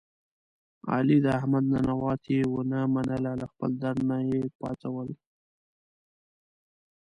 علي د احمد ننواتې و نه منله له خپل در نه یې پا څول.